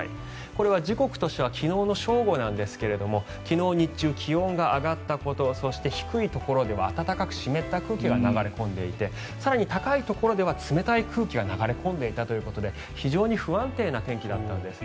これは時刻としては昨日の正午なんですが昨日日中、気温が上がったことそして低いところでは暖かく湿った空気が流れ込んでいて更に高いところでは冷たい空気が流れ込んでいたということで非常に不安定な天気だったんです。